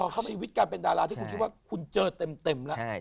เขามีวิทย์การเป็นดาราที่คุณคิดว่าคุณเจอเต็มแล้ว